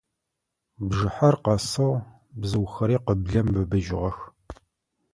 Бжыхьэр къэсыгъ, бзыухэри къыблэм быбыжьыгъэх.